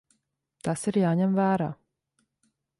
Tas ir jāņem vērā.